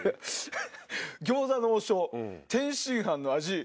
「餃子の王将天津飯の味